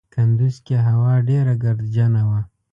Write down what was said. کندوز کې هوا ډېره ګردجنه وه.